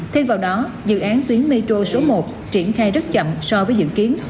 thay vào đó dự án tuyến metro số một triển khai rất chậm so với dự kiến